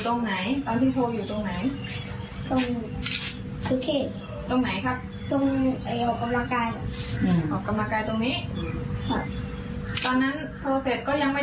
รถเข้ามากี่ขั้น